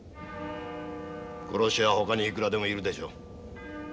殺し屋は他にいくらでもいるでしょう？